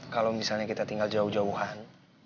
kalau misalnya kita tinggal jauh jauhan